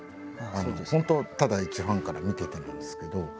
本当ただ一ファンから見ててなんですけど。